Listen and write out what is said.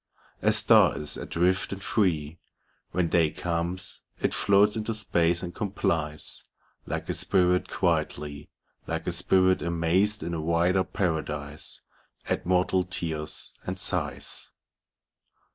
A star is adrift and free. When day comes, it floats into space and com plies ; Like a spirit quietly, Like a spirit, amazed in a wider paradise At mortal tears and sighs.